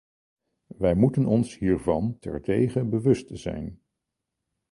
Wij moeten ons hiervan terdege bewust zijn.